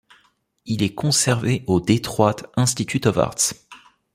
Il est conservé au Detroit Institute of Arts.